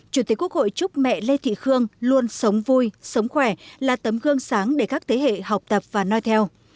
chủ tịch quốc hội chúc mẹ lê thị khương luôn sống vui sống khỏe là tấm gương sáng để các thế hệ học tập và nói theo